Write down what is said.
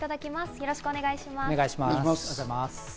よろしくお願いします。